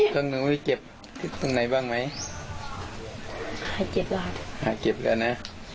ตรงนึงไม่เก็บตรงไหนบ้างไหมหายเก็บแล้วครับหายเก็บแล้วน่ะ